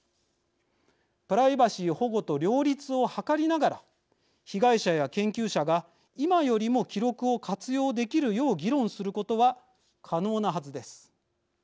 プライバシー保護と両立を図りながら被害者や研究者が今よりも記録を活用できるよう議論することは可能なはずです。